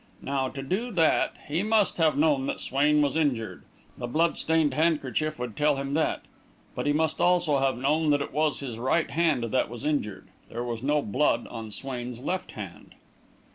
Now, to do that, he must have known that Swain was injured the blood stained handkerchief would tell him that; but he must also have known that it was his right hand that was injured. There was no blood on Swain's left hand."